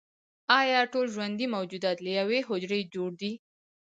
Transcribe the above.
ایا ټول ژوندي موجودات له یوې حجرې جوړ دي